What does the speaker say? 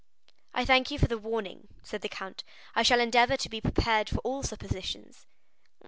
"I thank you for the warning," said the count; "I shall endeavor to be prepared for all suppositions."